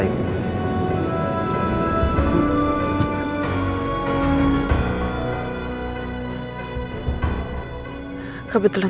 kita pergi ke lain